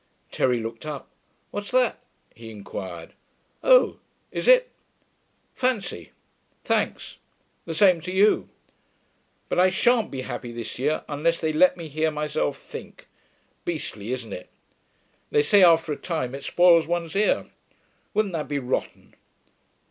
Terry looked up. 'What's that?' he inquired. 'Oh, is it? Fancy! Thanks; the same to you.... But I shan't be happy this year unless they let me hear myself think. Beastly, isn't it?... They say after a time it spoils one's ear. Wouldn't that be rotten.